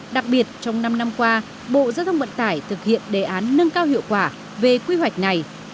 đặc biệt trong năm năm qua bộ giao thông vận tải thực hiện đề án nâng cao hiệu quả về quy hoạch này